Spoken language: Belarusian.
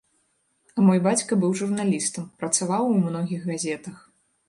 А мой бацька быў журналістам, працаваў у многіх газетах.